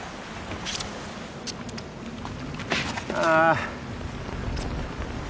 ああ。